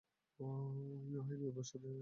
ইউহাওয়া নিরাপদ সাথি পেয়ে খুশী।